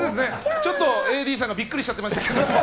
ちょっとＡＤさんがびっくりしちゃってます。